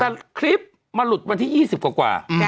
แต่คลิปมันหลุดวันที่๒๐กว่า